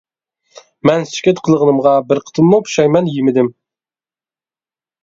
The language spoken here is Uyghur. مەن سۈكۈت قىلغىنىمغا بىر قېتىممۇ پۇشايمان يېمىدىم.